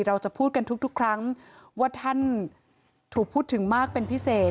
เราจะพูดกันทุกครั้งว่าท่านถูกพูดถึงมากเป็นพิเศษ